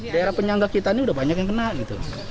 daerah penyangga kita ini udah banyak yang kena gitu